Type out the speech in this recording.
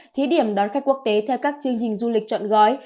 thí điểm đón khách quốc tế theo các chương trình du lịch chọn gói